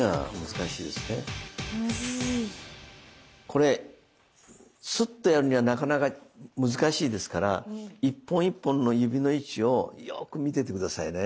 これスッとやるにはなかなか難しいですから一本一本の指の位置をよく見てて下さいね。